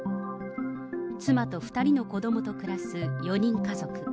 妻と２人の子どもと暮す４人家族。